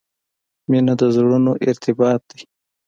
• مینه د زړونو ارتباط دی.